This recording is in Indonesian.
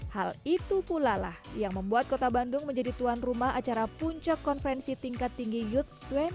hal itu pula lah yang membuat kota bandung menjadi tuan rumah acara puncak konferensi tingkat tinggi youth dua puluh